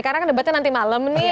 karena kan debatnya nanti malam nih